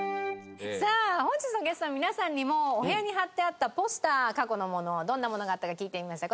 さあ本日のゲストの皆さんにもお部屋に貼ってあったポスター過去のものどんなものがあったか聞いてみました。